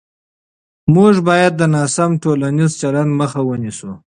موږ باید د ناسم ټولنیز چلند مخه ونیسو.